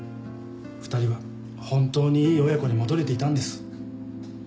２人は本当にいい親子に戻れていたんです。